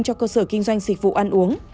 cho cơ sở kinh doanh dịch vụ ăn uống